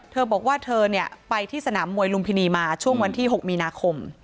เธอบอกว่าเธอไปที่สนามมวยลุมพินีมาช่วงวันที่๖มีนาคม